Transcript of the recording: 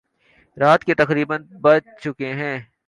رات کے تقریبا بج چکے تھے